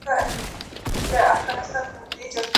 خبردار چي نوم د قتل څوك ياد نه كړي